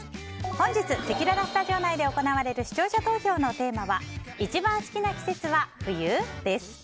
本日せきららスタジオ内で行われる視聴者投票のテーマは一番好きな季節は冬？です。